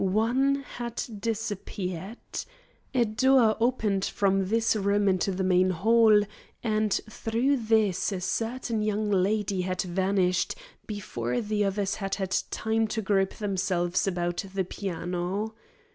One had disappeared. A door opened from this room into the main hall and through this a certain young lady had vanished before the others had had time to group themselves about the piano.